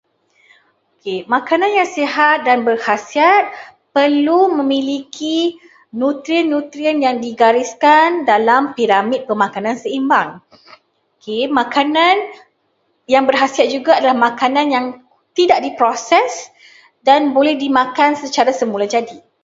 Okey, makanan yang sihat dan berkhasiat perlu memiliki nutrien-nutrien yang digariskan dalam piramid pemakanan seimbang. Okey, makanan yang berkhasiat juga adalah makanan yang tidak diproses dan boleh dimakan secara semula jadi.